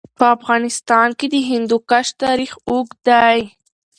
په افغانستان کې د هندوکش تاریخ اوږد دی.